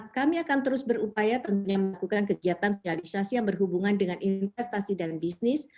kami akan terus berupaya melakukan kegiatan sosialisasi yang berhubungan dengan investasi dan bisnis